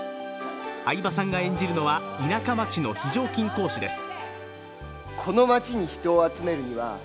相葉さんが演じるのは田舎町の非常勤講師です。